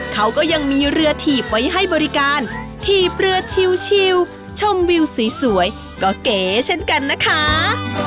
เขาก็ยังมีเรือถีบไว้ให้บริการถีบเรือชิวชมวิวสวยก็เก๋เช่นกันนะคะ